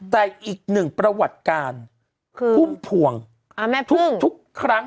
แต่อีกหนึ่งประวัติการคือคุ้มพวงอ่าแม่พึ่งทุกทุกครั้ง